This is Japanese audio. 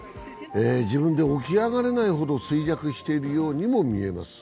自分で起き上がれないほど衰弱しているようにも見えます。